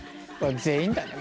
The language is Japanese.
全員だね